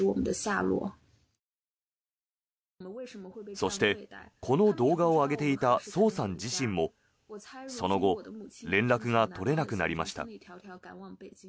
そして、この動画を上げていたソウさん自身もその後連絡が取れなくなりました。